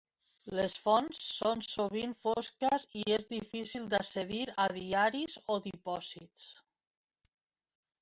Les fonts són sovint fosques i és difícil d'accedir a diaris o dipòsits.